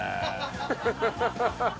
アハハハハ。